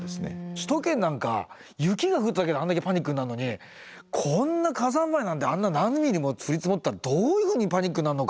首都圏なんか雪が降っただけであんだけパニックになるのにこんな火山灰なんてあんな何ミリも降り積もったらどういうふうにパニックになるのか。